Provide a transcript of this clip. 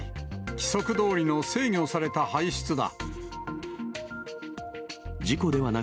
規則どおりの制御された排出だ。